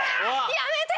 やめて！